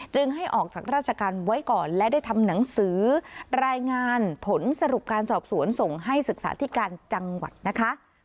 ให้ออกจากราชการไว้ก่อนและได้ทำหนังสือรายงานผลสรุปการสอบสวนส่งให้ศึกษาธิการจังหวัดนะคะ